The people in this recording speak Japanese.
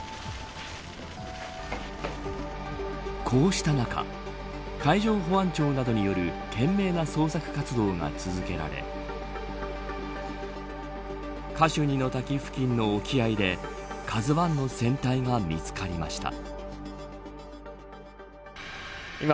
こうした中海上保安庁などによる懸命な捜索活動が続けられカシュニの滝付近の沖合でＫＡＺＵ１の船体が見つかりました。